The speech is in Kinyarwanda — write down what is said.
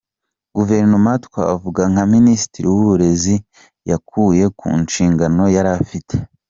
guverinoma twavuga nka Minisitiri w’uburezi yakuye ku nshingano yari afite.